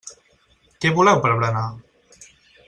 Què voleu per berenar?